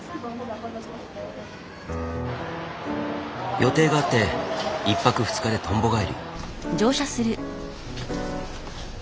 予定があって１泊２日でとんぼ返り。